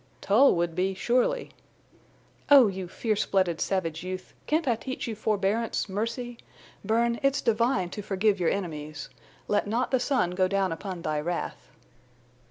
"Tull would be—surely." "Oh, you fierce blooded, savage youth! Can't I teach you forebearance, mercy? Bern, it's divine to forgive your enemies. 'Let not the sun go down upon thy wrath.